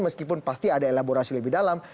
meskipun pasti ada elaborasi lebih dalam